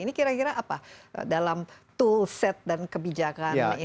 ini kira kira apa dalam tool set dan kebijakan ini